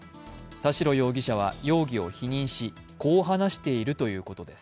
田代容疑者は容疑を否認しこう話しているということです。